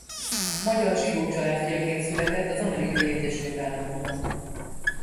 Magyar zsidó család fiaként született az Amerikai Egyesült Államokban.